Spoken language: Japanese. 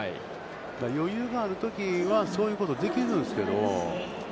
余裕があるときは、そういうことができるんですけど。